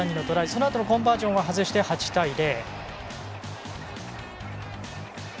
そのあとのコンバージョンは外して８対０。